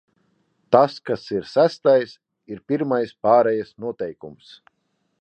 Tas, kas ir sestais, ir pirmais pārejas noteikums.